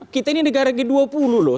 kita ini negara g dua puluh loh